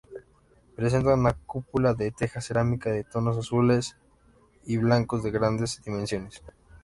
Presenta una cúpula de teja cerámica de tonos azules y blancos, de grandes dimensiones.